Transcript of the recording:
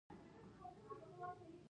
موږ باید هر ډول غله وخورو.